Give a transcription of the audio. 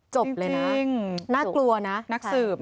จบเลยนะน่ากลัวนะจริงน่ากลัวนะ